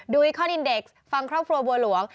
ด้วยคลอดอินเด็กซ์ฟังครอบครัวบัวหลวง